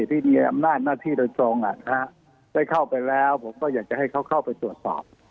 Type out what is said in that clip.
ที่มีอำนาจหน้าที่โดยตรงได้เข้าไปแล้วผมก็อยากจะให้เขาเข้าไปตรวจสอบ